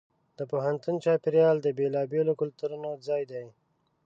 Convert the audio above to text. د پوهنتون چاپېریال د بېلابېلو کلتورونو ځای دی.